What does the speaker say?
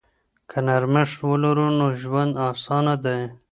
که نرمښت ولرو نو ژوند اسانه دی.